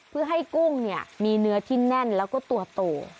เพื่อให้กุ้งเนี่ยมีเนื้อที่แน่นแล้วก็ตัวโต